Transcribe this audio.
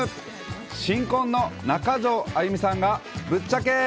新婚の中条あやみさんがぶっちゃけ！